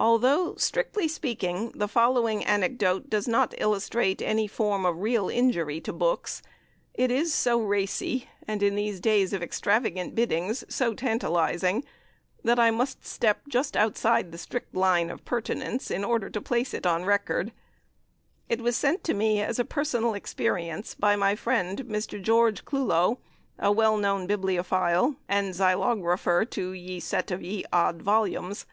ALTHOUGH, strictly speaking, the following anecdote does not illustrate any form of real injury to books, it is so racy, and in these days of extravagant biddings so tantalizing, that I must step just outside the strict line of pertinence in order to place it on record, It was sent to me, as a personal experience, by my friend, Mr. George Clulow, a well known bibliophile, and "Xylographer" to "Ye Sette of ye Odde Volumes."